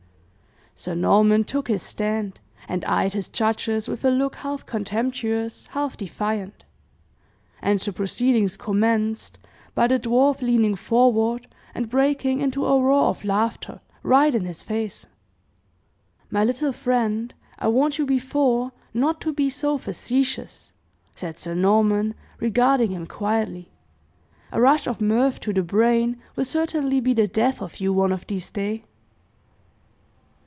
Sir Norman took his stand, and eyed his judges with a look half contemptuous, half defiant; and the proceedings commenced by the dwarf a leaning forward and breaking into a roar of laughter, right in his face. "My little friend I warned you before not to be so facetious," said Sir Norman, regarding him quietly; "a rush of mirth to the brain will certainly be the death of you one of these day."